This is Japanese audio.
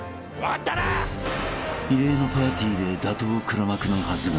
［異例のパーティーで打倒黒幕のはずが］